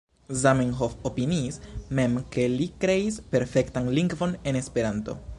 Zamenhof opiniis mem ke li kreis perfektan lingvon en Esperanto.